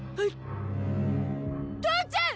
父ちゃん！